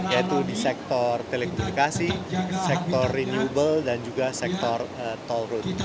yaitu di sektor telekomunikasi sektor renewable dan juga sektor toll road